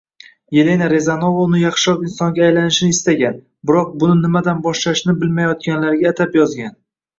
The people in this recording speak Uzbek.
Yelena Rezanova uni yaxshiroq insonga aylanishni istagan biroq buni nimadan boshlashni bilmayotganlarga atab yozgan